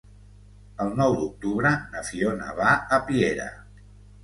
El nou d'octubre na Fiona va a Piera.